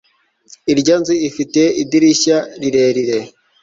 irya nzu ifite idirishya rirerire